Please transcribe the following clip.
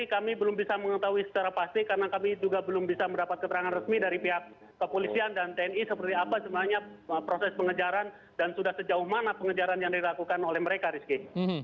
kami belum bisa mengetahui secara pasti karena kami juga belum bisa mendapat keterangan resmi dari pihak kepolisian dan tni seperti apa sebenarnya proses pengejaran dan sudah sejauh mana pengejaran yang dilakukan oleh mereka rizky